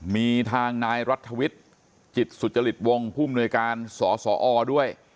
มีทางนายรัฐวิทย์จิตสุจริตวงศ์ผู้มนวยการสสอด้วย